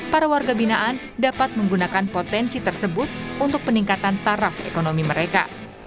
para warga binaan dapat menggunakan potensi tersebut untuk peningkatan taraf ekonomi mereka